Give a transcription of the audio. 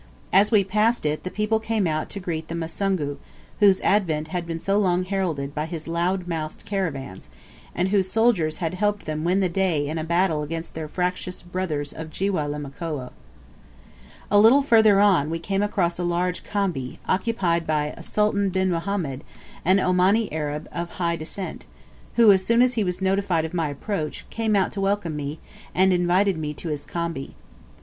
As we passed it, the people came out to greet the Musungu, whose advent had been so long heralded by his loud mouthed caravans, and whose soldiers had helped them win the day in a battle against their fractious brothers of Jiweh la Mkoa. A little further on we came across a large khambi, occupied by Sultan bin Mohammed, an Omani Arab of high descent, who, as soon as he was notified of my approach, came out to welcome me, and invite me to his khambi.